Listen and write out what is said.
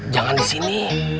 jangan di sini